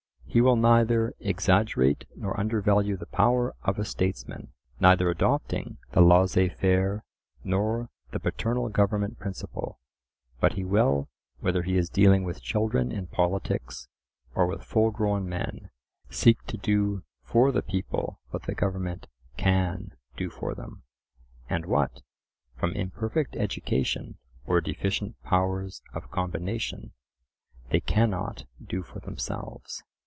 He will neither exaggerate nor undervalue the power of a statesman, neither adopting the "laissez faire" nor the "paternal government" principle; but he will, whether he is dealing with children in politics, or with full grown men, seek to do for the people what the government can do for them, and what, from imperfect education or deficient powers of combination, they cannot do for themselves.